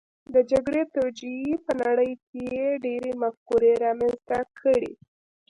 د جګړې توجیې په نړۍ کې ډېرې مفکورې رامنځته کړې